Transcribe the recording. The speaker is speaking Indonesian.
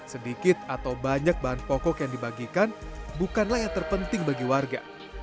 sedikit atau banyak bahan pokok yang dibagikan bukanlah yang terpenting bagi warga